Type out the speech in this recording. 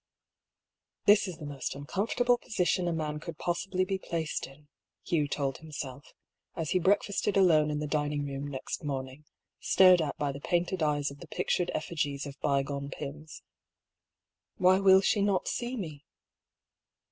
"This is the most uncomfortable position a man could possibly be placed in," Hugh told himself, as he breakfasted alone in the dining room next morning, stared at by the painted eyes of the pictured effigies of bygone Pyms. " Why will she not see me?"